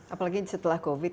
apalagi setelah covid